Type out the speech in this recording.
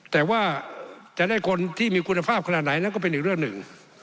แต่ว่าจะได้คนที่มีคุณภาพขนาดไหนแล้วก็เป็นอีกเรื่องหนึ่ง